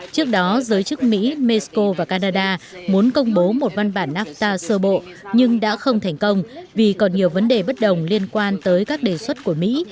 trước đó giới chức mỹ mexico và canada muốn công bố một văn bản nafta sơ bộ nhưng đã không thành công vì còn nhiều vấn đề bất đồng liên quan tới các đề xuất của mỹ